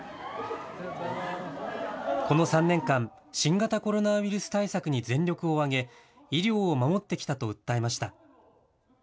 この３年間、新型コロナウイルス対策に全力を挙げ、医療を守ってきたと訴えました。